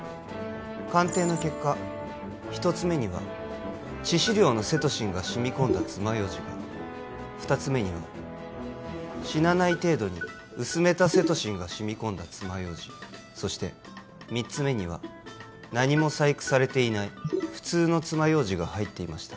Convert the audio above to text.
鑑定の結果１つ目には致死量のセトシンが染み込んだ爪楊枝が２つ目には死なない程度に薄めたセトシンが染み込んだ爪楊枝そして３つ目には何も細工されていない普通の爪楊枝が入っていました